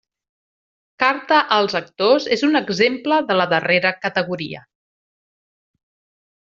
Carta als actors és un exemple de la darrera categoria.